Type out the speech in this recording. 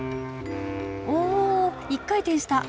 お一回転した。